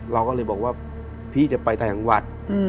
เราก็เลยบอกว่าพี่จะไปทางวัด